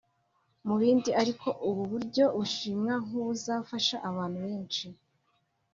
Mu bindi ariko ubu buryo bushimwa nk’ubuzabafasha abantu benshi